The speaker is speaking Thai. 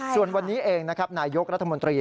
ส่วนวันนี้เองนะครับนายยกรัฐมนตรี